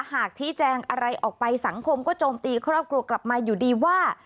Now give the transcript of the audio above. หากชี้แจงอะไรออกไปสังคมก็โจมตีครอบครัวกลับมาอยู่ดีว่า